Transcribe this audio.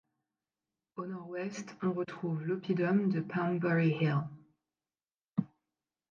Au nord-ouest, on retrouve l'oppidum de Poundbury Hill.